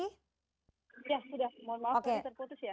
sudah sudah mohon maaf tadi terputus ya